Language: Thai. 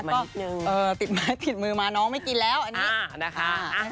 ติดมือมานิดนึงเออติดมือมาน้องไม่กินแล้วอันนี้อ่านะคะ